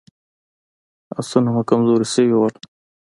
آسونه مو کمزوري شوي وو.